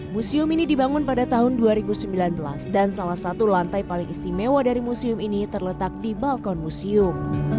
museum ini dibangun pada tahun dua ribu sembilan belas dan salah satu lantai paling istimewa dari museum ini terletak di balkon museum